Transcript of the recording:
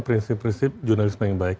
prinsip prinsip jurnalisme yang baik